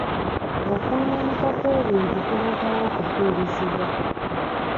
Okwonooneka kw'ebintu kuleetawo okufiirizibwa.